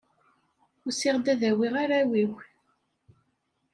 Usiɣ-d ad awiɣ arraw-iw.